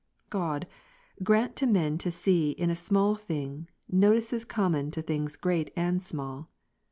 God, grant to men to see in a small thing, notices common to things great and small.